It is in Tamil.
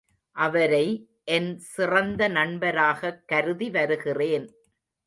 அவரை என் சிறந்த நண்பராகக் கருதி வருகிறேன்.